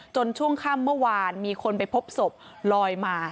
ช่วงค่ำเมื่อวานมีคนไปพบศพลอยมา